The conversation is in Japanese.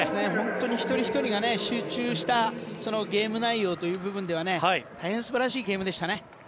一人ひとりが集中したゲーム内容ということでは大変すばらしいゲームでしたね。